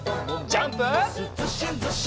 ジャンプ！